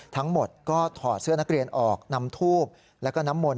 ทั้งหมดก็ถอดเสื้อนักเรียนออกนำทูบแล้วก็น้ำมนต